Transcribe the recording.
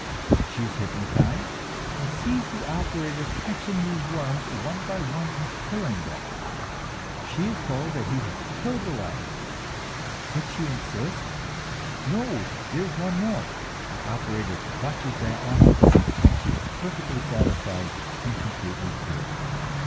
She is hypnotized and sees the operator catching these worms one by one and killing them. She is told that he has killed the last, but she insists, "No, there is one more." The operator clutches that one, and she is perfectly satisfied, and completely cured.